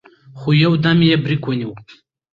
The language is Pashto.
خو يودم يې برېک ونيو.